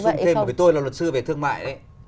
tôi bổ sung thêm vì tôi là luật sư về thương mại đấy